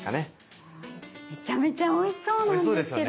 めちゃめちゃおいしそうなんですけど。